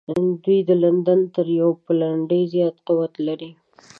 دوی د لندن تر یوه پلنډي زیات قوت لري.